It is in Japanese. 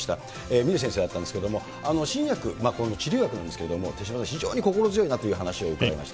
峰先生だったんですけれども、新薬、治療薬なんですけれども、手嶋さん、非常に心強いなという話を伺いました。